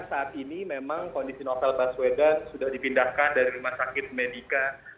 saat ini memang kondisi novel baswedan sudah dipindahkan dari rumah sakit medica